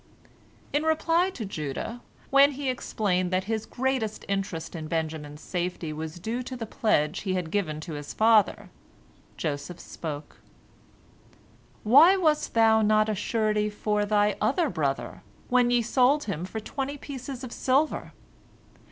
In reply to Judah, when he explained that his great interest in Benjamin's safety was due to the pledge he had given to his father, Joseph spoke: "Why wast thou not a surety for thy other brother, when ye sold him for twenty pieces of silver?